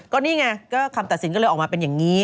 ก็นี่ไงก็คำตัดสินก็เลยออกมาเป็นอย่างนี้